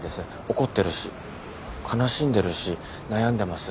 怒ってるし悲しんでるし悩んでます。